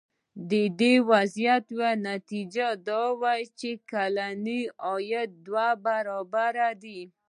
د دې وضعیت یوه نتیجه دا ده چې کلنی عاید دوه برابره دی.